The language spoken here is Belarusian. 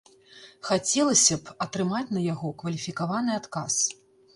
Хацелася б атрымаць на яго кваліфікаваны адказ.